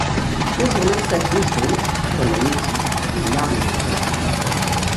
Le journal, s'affiche donc comme un outil, une arme de combat.